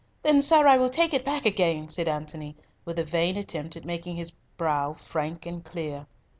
"Then, sir, I will take it back again," said Antony, with a vain attempt at making his brow frank and clear.